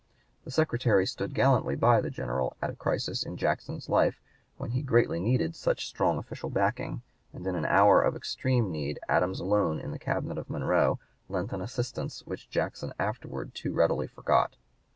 The Secretary stood gallantly by the General at a crisis in Jackson's life when he greatly needed such strong official backing, and in an hour of extreme need Adams alone in the Cabinet of Monroe lent an assistance which Jackson afterwards too readily forgot.